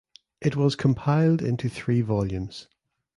It was compiled into three volumes.